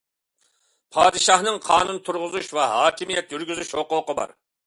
پادىشاھنىڭ قانۇن تۇرغۇزۇش ۋە ھاكىمىيەت يۈرگۈزۈش ھوقۇقى بار.